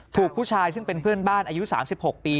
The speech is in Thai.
ถูกผู้ชายซึ่งเป็นเพื่อนบ้านอายุ๓๖ปี